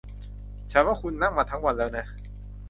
ฉันว่าคุณนั่งมาทั้งวันแล้วนะ